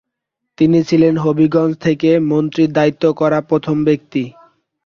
তিনি ছিলেন হবিগঞ্জ থেকে মন্ত্রীর দায়িত্ব করা প্রথম ব্যক্তি।